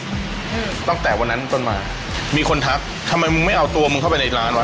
ตั้งแต่วันนั้นต้นมามีคนทักทำไมมึงไม่เอาตัวมึงเข้าไปในร้านวะ